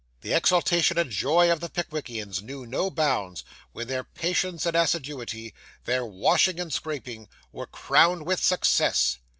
The exultation and joy of the Pickwickians knew no bounds, when their patience and assiduity, their washing and scraping, were crowned with success.